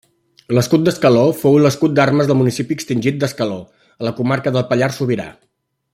L'escut d'Escaló fou l'escut d'armes del municipi extingit d'Escaló, a la comarca del Pallars Sobirà.